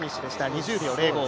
２０秒０５。